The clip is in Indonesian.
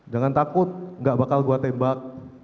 jangan takut gak bakal gue tembak